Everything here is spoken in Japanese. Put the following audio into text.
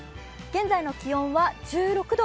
現在の気温は１６度。